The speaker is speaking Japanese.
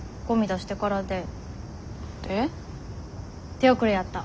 手遅れやった。